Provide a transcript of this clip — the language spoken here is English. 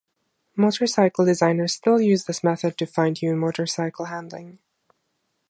Motorcycle designers still use this method to fine-tune motorcycle handling.